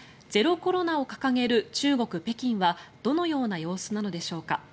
ゼロコロナを掲げる中国・北京はどのような様子なのでしょうか。